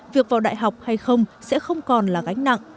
việc vào đại học hay không sẽ không còn là gánh nặng